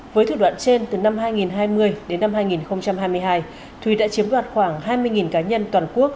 với thủ đoạn trên từ năm hai nghìn hai mươi đến năm hai nghìn hai mươi hai thúy đã chiếm đoạt khoảng hai mươi cá nhân toàn quốc